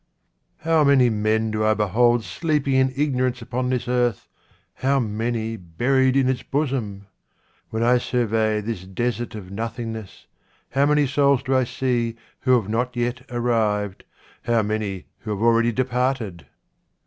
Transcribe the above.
How many men do I behold sleeping in igno rance upon this earth, how many buried in its bosom ! When I survey this desert of nothing ness, how many souls do I see who have not yet arrived — how many who have already departed